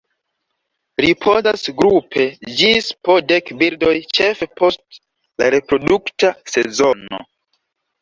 Ripozas grupe ĝis po dek birdoj ĉefe post la reprodukta sezono.